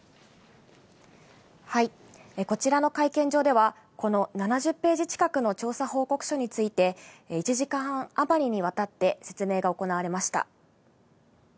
こちらの会見場では、この７０ページ近くの調査報告書について、１時間半余りにわたって説明が行われました。